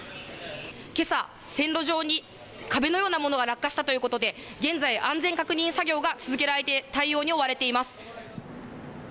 けさ線路上に壁のようなものが落下したということで現在、安全確認作業が続けられて対応に追われています。